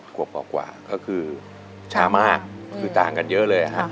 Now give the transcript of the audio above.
ขวบกว่าก็คือช้ามากคือต่างกันเยอะเลย